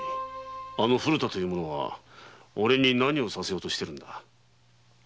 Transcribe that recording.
あの古田という者はおれに何をさせようとしているのだ？